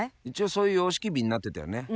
一応そういう様式美になってたよね。